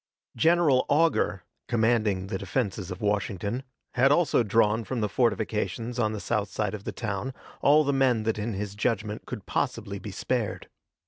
General Augur, commanding the defenses of Washington, had also drawn from the fortifications on the south side of the town all the men that in his judgment could possibly be spared.